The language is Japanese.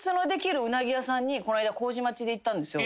この間麹町で行ったんですよ。